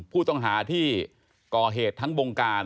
ผู้ต้องหาที่ก่อเหตุทั้งวงการ